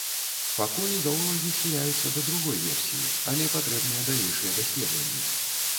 Пакуль заолагі схіляюцца да другой версіі, але патрэбныя далейшыя даследаванні.